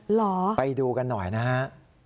เหรอไปดูกันหน่อยนะฮะ